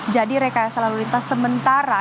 jadi rekayasa lalu lintas sementara